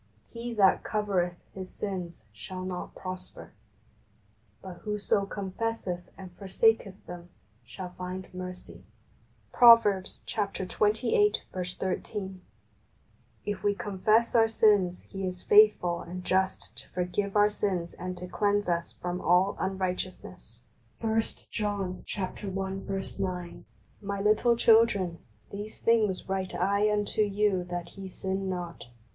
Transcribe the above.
" He that covereth his sins shall not prosper ; but whoso confesseth and forsaketh them shall find mercy" {Prov. xxviii. 13). " If we confess our sins He is faithful and just to forgive us our sins and to cleanse us from all unrighteous ness" (i John i, g), "My little children, these things write I unto you that ye sin not.